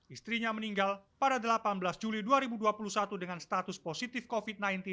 istrinya meninggal pada delapan belas juli dua ribu dua puluh satu dengan status positif covid sembilan belas